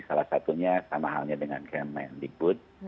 salah satunya sama halnya dengan kemendikbud